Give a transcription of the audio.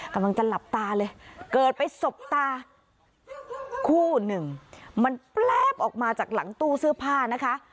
กำลังจะหลับตาเลยเกิดไปสบตาคู่หนึ่งมันแป๊บออกมาจากหลังตู้เสื้อผ้านะคะ